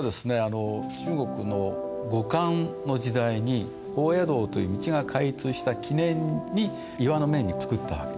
中国の後漢の時代に褒斜道という道が開通した記念に岩の面に作った訳です。